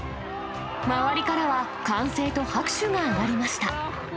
周りからは、歓声と拍手が上がりました。